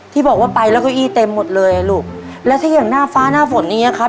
ที่บอกว่าไปแล้วเก้าอี้เต็มหมดเลยอ่ะลูกแล้วถ้าอย่างหน้าฟ้าหน้าฝนอย่างเงี้ยครับ